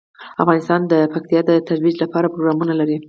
افغانستان د پکتیا د ترویج لپاره پروګرامونه لري.